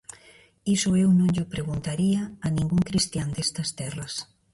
Iso eu non llo preguntaría a ningún cristián destas terras.